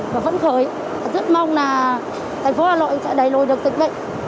và vẫn khởi rất mong là thành phố hà nội sẽ đẩy lùi được dịch bệnh